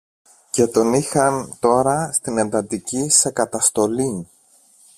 και τον είχαν τώρα στην εντατική σε καταστολή